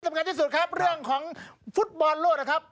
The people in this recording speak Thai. งานที่สุดครับเรื่องของฟุตบอลโลกนะครับ